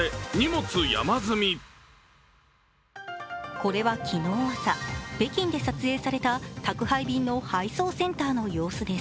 これは昨日朝、北京で撮影された宅配便の配送センターの様子です。